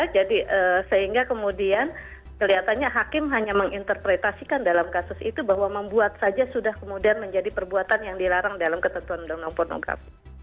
jadi sehingga kemudian kelihatannya hakim hanya menginterpretasikan dalam kasus itu bahwa membuat saja sudah kemudian menjadi perbuatan yang dilarang dalam ketentuan undang undang pornografi